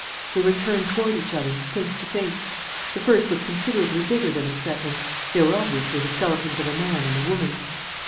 They were turned toward each other, face to face. The first was considerably bigger than the second. They were obviously the skeletons of a man and a woman.